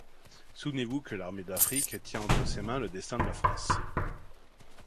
Souvenez-vous que l'Armée d'Afrique tient entre ses mains le destin de la France.